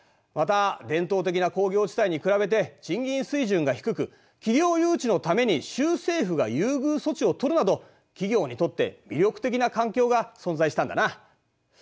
また伝統的な工業地帯に比べて賃金水準が低く企業誘致のために州政府が優遇措置をとるなど企業にとって魅力的な環境が存在したんだな。